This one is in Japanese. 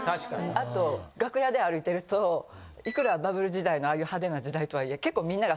あと楽屋で歩いてるといくらバブル時代のああいう派手な時代とはいえ結構みんなが。